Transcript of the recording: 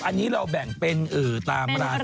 อันนี้เราแบ่งเป็นตามร้าน